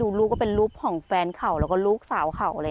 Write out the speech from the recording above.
นี่โตมาแล้วมาโดนแบบนี้